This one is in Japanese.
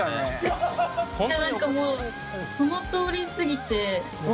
何かもうそのとおりすぎて。